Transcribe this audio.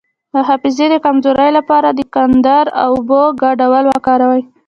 د حافظې د کمزوری لپاره د کندر او اوبو ګډول وکاروئ